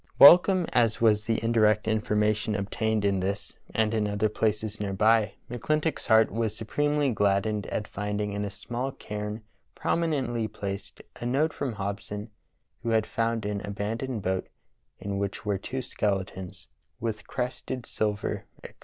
Welcome as was the indirect information obtained in this and in other places near by, iMcCIintock's heart was supremely gladdened at finding in a small cairn, prom inently placed;, a note from Hobson who had found an abandoned boat, in which were two skeletons, with crested silver, etc.